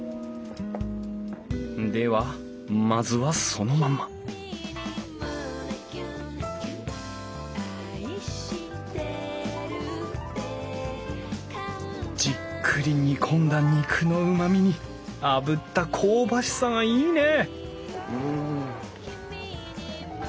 ではまずはそのままじっくり煮込んだ肉のうまみにあぶった香ばしさがいいね！